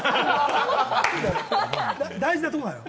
大事なとこなのよ。